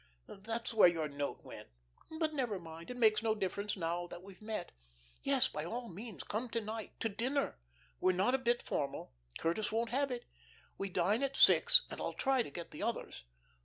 There's where your note went. But, never mind, it makes no difference now that we've met. Yes, by all means, come to night to dinner. We're not a bit formal. Curtis won't have it. We dine at six; and I'll try to get the others.